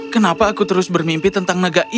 kenapa aku terus bermimpi tentang negara ini